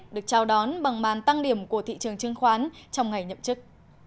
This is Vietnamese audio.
được trao đón bằng màn tăng điểm của thị trường chứng khoán trong ngày nhậm chức